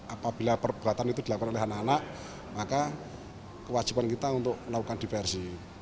apabila perbuatan itu dilakukan oleh anak anak maka kewajiban kita untuk melakukan diversi